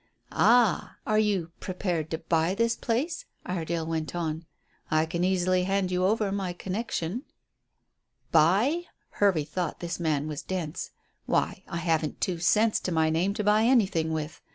"Ah! are you prepared to buy this place?" Iredale went on. "I can easily hand you over my connection." "Buy?" Hervey thought this man was dense. "Why, I haven't two cents to my name to buy anything with.